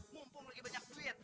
mumpung lagi banyak duit